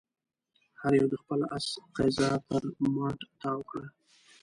هر يوه د خپل آس قيضه تر مټ تاو کړه.